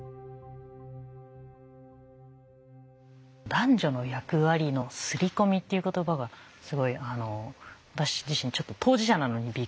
男女の役割の刷り込みっていう言葉がすごい私自身ちょっと当事者なのにびっくりして。